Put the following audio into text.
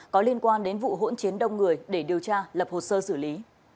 có liên quan đến vụ hỗn chiến đông người để điều tra lập hồ sơ xử lý